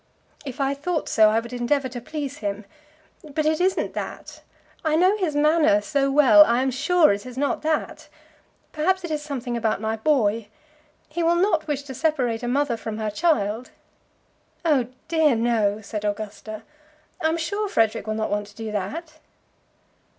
"If I thought so, I would endeavour to please him. But it isn't that. I know his manner so well! I am sure it is not that. Perhaps it is something about my boy. He will not wish to separate a mother from her child." "Oh dear, no," said Augusta. "I am sure Frederic will not want to do that."